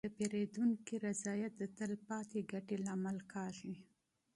د پیرودونکي رضایت د تلپاتې ګټې سبب کېږي.